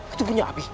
itu punya abi